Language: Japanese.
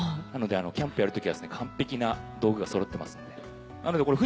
なのでキャンプやるときは完璧な道具が揃ってますんで。